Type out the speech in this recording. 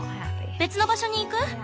別の場所に行く？